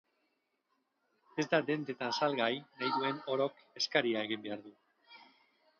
Ez da dendetan salgai, nahi duen orok eskaria egin behar du.